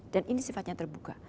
dan ini sifatnya terbuka